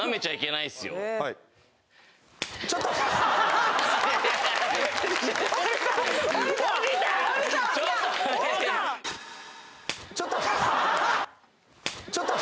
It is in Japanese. ちょっと！